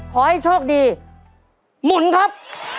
ขอให้โชคดีหมุนครับ